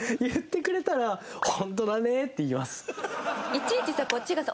いちいちさこっちがさ